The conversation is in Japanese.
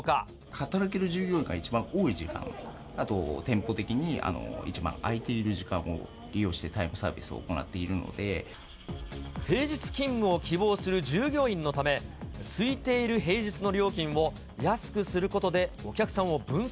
働ける従業員が一番多い時間で、あと店舗的に一番あいている時間を利用してタイムサービスを行っ平日勤務を希望する従業員のため、すいている平日の料金を安くすることでお客さんを分散。